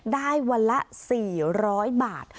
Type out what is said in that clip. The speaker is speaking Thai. ได้วันละ๔๐๐บาท